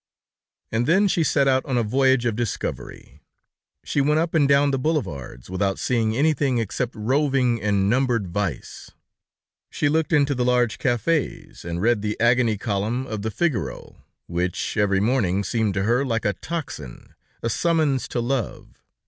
And then she set out on a voyage of discovery. She went up and down the boulevards, without seeing anything except roving and numbered vice. She looked into the large cafés, and read the Agony Column of the Figaro, which every morning seemed to her like a tocsin, a summons to love.